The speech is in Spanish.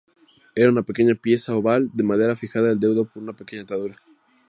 Era una pequeña pieza oval de madera fijada al dedo por una pequeña atadura.